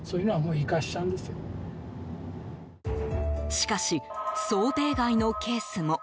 しかし、想定外のケースも。